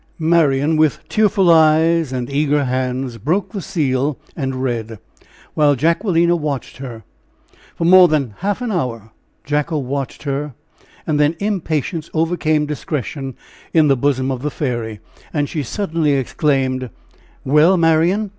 Marian, with tearful eyes and eager hands, broke the seal and read, while Jacquelina watched her. For more than half an hour Jacko watched her, and then impatience overcame discretion in the bosom of the fairy, and she suddenly exclaimed: "Well, Marian!